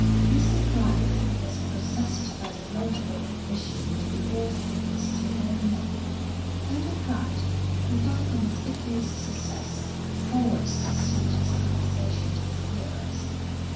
Mr. Dryland was possessed by the laudable ambition to be all things to all men; and he tried, without conspicuous success, always to suit his conversation to his hearers.